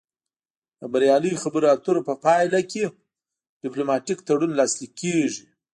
د بریالۍ خبرو اترو په پایله کې ډیپلوماتیک تړون لاسلیک کیږي